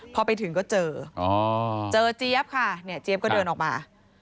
พอไปถึงก็เจอเจอเจี๊ยบค่ะเนี่ยเจี๊ยบก็เดินออกมา